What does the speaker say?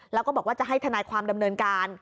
แล้วก็บอกว่าจะให้ทนายความดำเนินการ